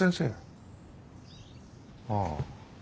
ああ。